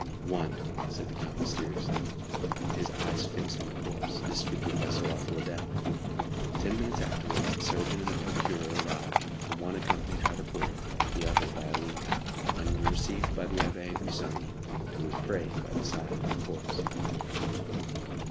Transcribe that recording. "One!" said the count mysteriously, his eyes fixed on the corpse, disfigured by so awful a death. Ten minutes afterwards the surgeon and the procureur arrived, the one accompanied by the porter, the other by Ali, and were received by the Abbé Busoni, who was praying by the side of the corpse.